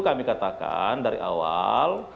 kami katakan dari awal